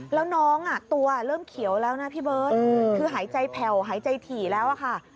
แล้วน้องตัวเริ่มเขียวแล้วนะพี่เบิร์ตคือหายใจแผ่วหายใจถี่แล้วอะค่ะ